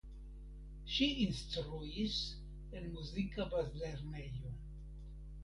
Ŝi instruis en muzika bazlernejo.